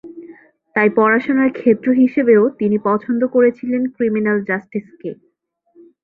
তাই পড়াশোনার ক্ষেত্র হিসেবেও তিনি পছন্দ করেছিলেন ক্রিমিনাল জাস্টিসকে।